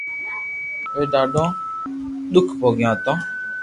اووي ڌاڌو دوک ڀوگيو ھتو